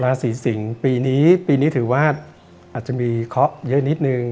ร้านสีสิงฯปีนี้ถือว่าอาจจะมีเคาะเยอะนิดนึง